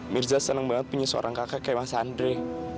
mirza senang banget punya seorang kakek kayak mas andre